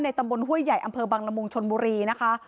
ในตำรวจห้วยใหญ่อำเภอบังลมงค์ชนบุรีนะคะ